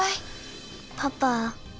パパ。